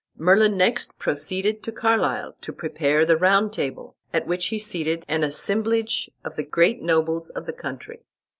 Merlin next proceeded to Carlisle to prepare the Round Table, at which he seated an assemblage of the great nobles of the country.